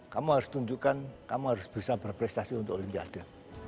kamu harus tunjukkan kamu harus bisa berprestasi untuk olimpiade